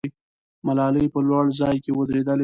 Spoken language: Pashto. ملالۍ په لوړ ځای کې ودرېدلې وه.